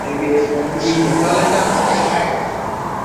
দলে টানছি মশায়!